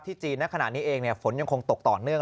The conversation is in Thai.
จีนในขณะนี้เองฝนยังคงตกต่อเนื่อง